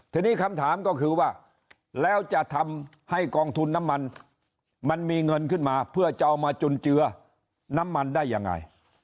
ทีนี้คำถามก็คือว่าแล้วจะทำให้กองทุนน้ำมันมันมีเงินขึ้นมาเพื่อจะเอามาจุนเจือน้ำมันได้ยังไง